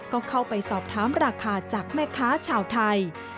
ก็เข้าไปสอบถามราคาจากแม่ค้าชาวไทย